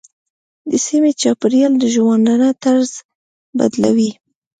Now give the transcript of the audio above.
د سیمې چاپېریال د ژوندانه طرز بدلوي.